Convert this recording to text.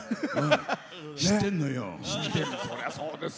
知ってるのよ。